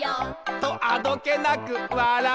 「とあどけなく笑う」